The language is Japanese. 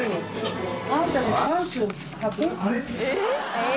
えっ？